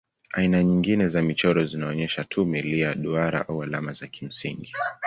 Aina nyingine za michoro zinaonyesha tu milia, duara au alama za kimsingi.